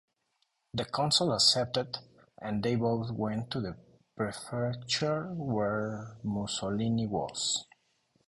The consul accepted and they both went to the Prefecture where Mussolini was.